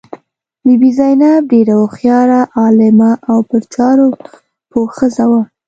بي بي زینب ډېره هوښیاره، عالمه او په چارو پوه ښځه وه.